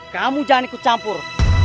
kamu jangan ikut campur